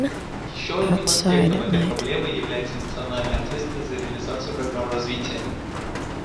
Еще одним аспектом этой проблемы является национальная ответственность за реализацию программ развития.